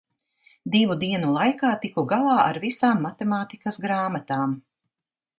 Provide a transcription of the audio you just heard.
Divu dienu laikā tiku galā ar visām matemātikas grāmatām.